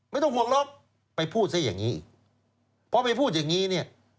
ไม่ต้องห่วงหรอกไปพูดซะอย่างนี้พอไปพูดอย่างนี้เนี่ย